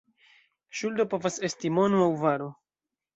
Ŝuldo povas esti mono aŭ varo.